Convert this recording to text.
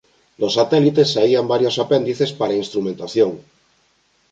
Do satélite saían varios apéndices para a instrumentación.